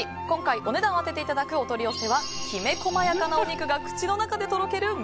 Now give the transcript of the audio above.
今回、お値段を決めていただくお取り寄せはきめ細やかなお肉が口の中で溶ける